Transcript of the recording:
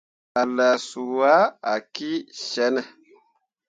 A laa su ah, a kii cenne.